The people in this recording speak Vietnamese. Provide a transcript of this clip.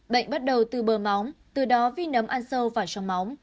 bệnh bắt đầu từ bờ móng từ đó vi nấm ăn sâu vào trong máu